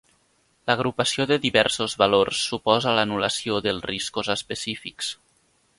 L'agrupació de diversos valors suposa l'anul·lació dels riscos específics.